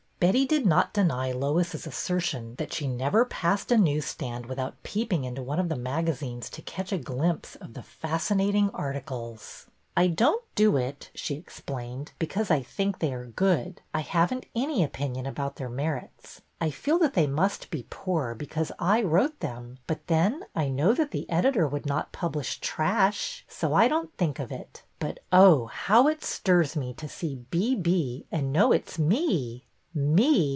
Betty did not deny Lois's assertion that she never passed a news stand without peeping into one of the magazines to catch a glimpse of the fascinating articles. I don't do it," she explained, because I think they are good. I have n't any opinion about their merits. I feel that they must be poor because I wrote them; but then I know that the editor would not publish trash, so I don't think of it. But oh, how it stirs me to see ' B. B.' and know it 's me !"' Me